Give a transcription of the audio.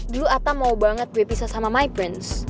dulu ata mau banget gue pisah sama my prince